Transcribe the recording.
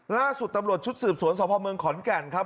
ล่าสุดตำรวจชุดสืบสวนสพเมืองขอนแก่นครับ